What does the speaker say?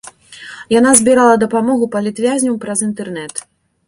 Яна збірала дапамогу палітвязням праз інтэрнэт.